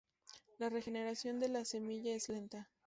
La regeneración desde la semilla es lenta.